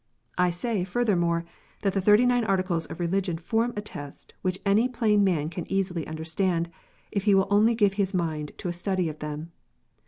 I say, furthermore, that the Thirty nine Articles of Religion form a test which any plain man can easily understand, if he will only give his mind to a study of them.